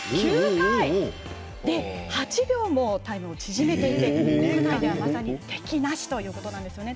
８秒もタイムを縮めていて国内では敵なしということなんですよね。